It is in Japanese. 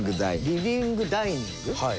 リビングダイニング？